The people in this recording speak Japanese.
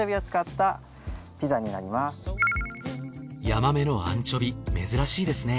ヤマメのアンチョビ珍しいですね。